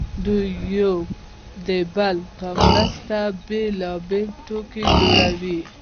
دوی یو د بل په مرسته بېلابېل توکي جوړوي